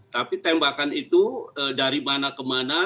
tapi tembakan itu dari mana ke mana